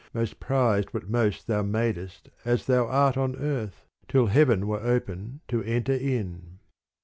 Most prized what most thou madest as thou art On earth, till heaven were open to enter in.